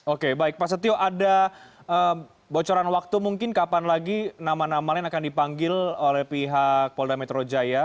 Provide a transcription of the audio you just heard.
oke baik pak setio ada bocoran waktu mungkin kapan lagi nama nama lain akan dipanggil oleh pihak polda metro jaya